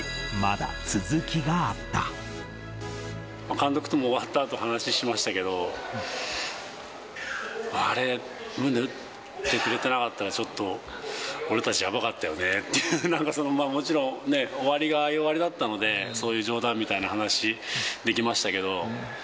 監督とも終わったあと話しましたけど、あれ、ムネ打ってくれてなかったらちょっと俺たちやばかったよねって、なんかその、もちろん終わりがああいう終わりだったので、そういう冗談みたいな話できましたけど。